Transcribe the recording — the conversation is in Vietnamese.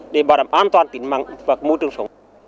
để bảo đảm an toàn tính mạng và môi trường sống